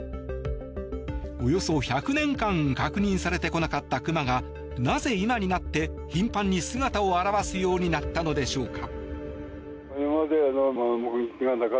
およそ１００年間確認されてこなかったクマがなぜ今になって、頻繁に姿を現すようになったのでしょうか。